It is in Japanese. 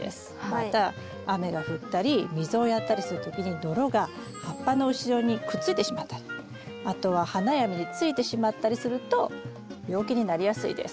また雨が降ったり水をやったりする時に泥が葉っぱの後ろにくっついてしまったりあとは花や実についてしまったりすると病気になりやすいです。